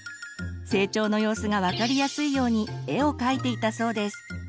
成長の様子が分かりやすいように絵をかいていたそうです。